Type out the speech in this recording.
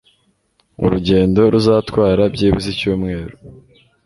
Urugendo ruzatwara byibuze icyumweru.